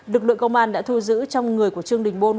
được đội công an đã thu giữ trong người của trương đình bôn